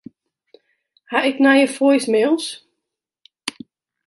Ha ik nije voicemails?